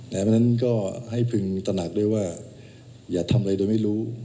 แน่นั้นก็ให้พึงตระหลักด้วยว่าอย่าทำอะไรไม่ได้รู้